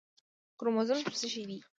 کروموزوم څه شی دی